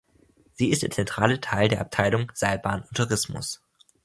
Sie ist der zentrale Teil der Abteilung "Seilbahn und Tourismus".